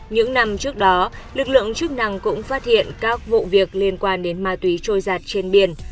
những năm trước đó lực lượng chức năng cũng phát hiện các vụ việc liên quan đến ma túy trôi giặt trên biển